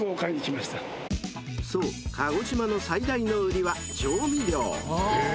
［そう鹿児島の最大の売りは］